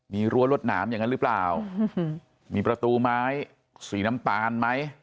มีรั้วรวดหนามอย่างนั้นหรือเปล่ามีประตูไม้สีน้ำตาลไหม